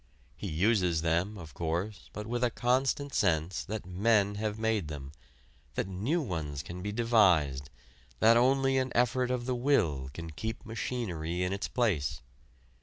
He uses them, of course, but with a constant sense that men have made them, that new ones can be devised, that only an effort of the will can keep machinery in its place.